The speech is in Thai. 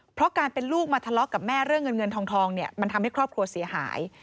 เพราะการเป็นลูกมาทะเลาะกับแม่เรื่องเงินเงินทองเนี่ยมันทำให้ครอบครัวเสียหาย